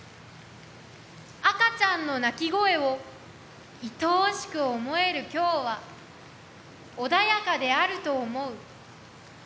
赤ちゃんの泣き声を愛おしく思える今日は穏やかであると思う。